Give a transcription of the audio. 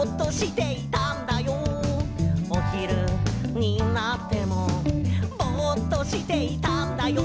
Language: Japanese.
「おひるになってもぼっとしていたんだよ」